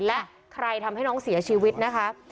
และใครทำให้น้องเสียชีวิตนะคะ